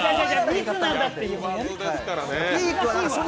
ミスなんだって。